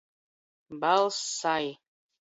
Balss sai